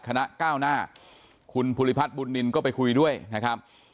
คณะก้าวหน้าคุณภูริพัฒน์บุญนินก็ไปคุยด้วยนะครับ